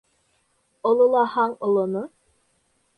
Ололаһаң олоно